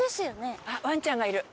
ワンちゃんがいる。